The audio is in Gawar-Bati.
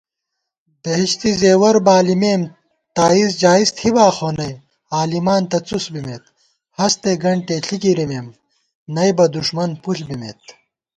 بہشتی زېوَر بالِمېم تائزجائز تھِباخو نئ عالِمان تہ څُس بِمېت * ہستےگنٹےݪی گِرِمېم نئبہ دُݭمن پُݪ بِمېت